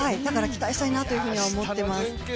だから期待したいなとは思ってます。